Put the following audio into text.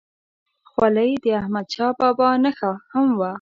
خولۍ د احمدشاه بابا نښه هم وه.